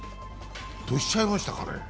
どうしちゃいましたかね。